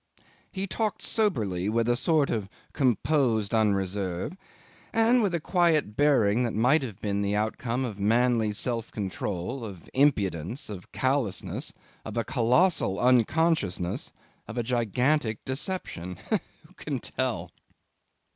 He talked soberly, with a sort of composed unreserve, and with a quiet bearing that might have been the outcome of manly self control, of impudence, of callousness, of a colossal unconsciousness, of a gigantic deception. Who can tell!